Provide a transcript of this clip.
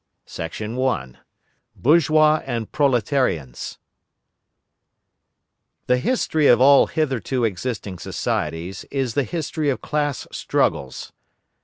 I. BOURGEOIS AND PROLETARIANS The history of all hitherto existing societies is the history of class struggles.